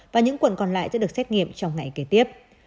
và những quận còn lại sẽ được xét nghiệm trong ngày kế tiếp